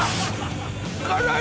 辛い！